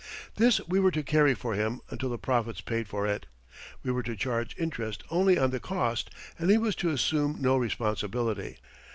This we were to carry for him until the profits paid for it. We were to charge interest only on the cost, and he was to assume no responsibility.